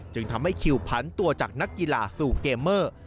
จึงทำให้คิวพันตัวจากนักกีฬาสู่เกมเมอร์